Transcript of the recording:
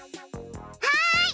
はい！